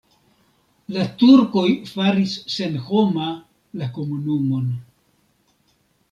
La turkoj faris senhoma la komunumon.